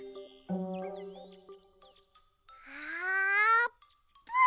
あーぷん！